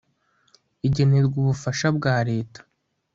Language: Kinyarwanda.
igenerwa ubufasha bwa leta